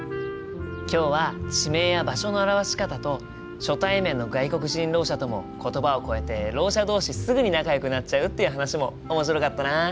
今日は地名や場所の表し方と初対面の外国人ろう者とも言葉を超えてろう者同士すぐに仲よくなっちゃうっていう話も面白かったな。